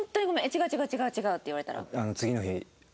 違う違う違う違うって言われたら？